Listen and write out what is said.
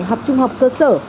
học trung học cơ sở